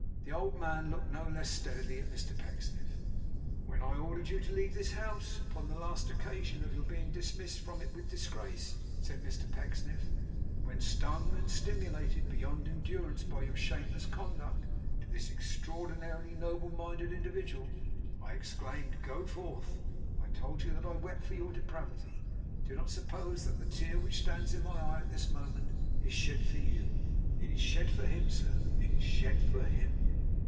The old man looked no less steadily at Mr Pecksniff. 'When I ordered you to leave this house upon the last occasion of your being dismissed from it with disgrace,' said Mr Pecksniff; 'when, stung and stimulated beyond endurance by your shameless conduct to this extraordinarily noble minded individual, I exclaimed "Go forth!" I told you that I wept for your depravity. Do not suppose that the tear which stands in my eye at this moment, is shed for you. It is shed for him, sir. It is shed for him.